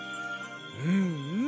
うんうん。